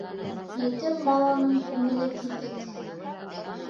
Етем баланың күңеле китек.